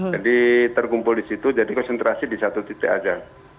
jadi terkumpul di situ jadi konsentrasi di satu titik saja